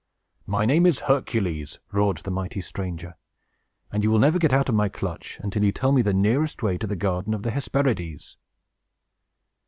"My name is Hercules!" roared the mighty stranger. "And you will never get out of my clutch, until you tell me the nearest way to the garden of the Hesperides!"